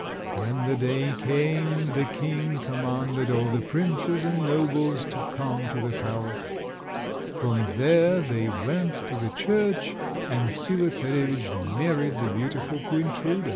When the day came, the king commanded all the princes and nobles to come to the palace. From there they went to the church, and Sila Czarovitch married the beautiful Queen Truda.